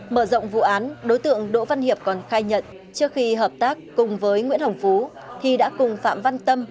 mở rộng vụ án đối tượng đỗ văn hiệp còn khai nhận trước khi hợp tác cùng với nguyễn hồng phú thì đã cùng phạm văn tâm